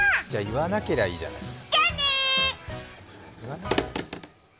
じゃあ、言わなけりゃいいじゃない。